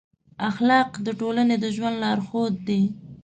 اخلاق د ټولنې د ژوند لارښود دي.